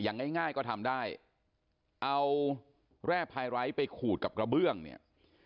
ง่ายง่ายก็ทำได้เอาแร่พายไร้ไปขูดกับกระเบื้องเนี่ย